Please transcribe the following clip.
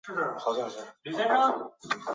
短穗天料木为大风子科天料木属下的一个种。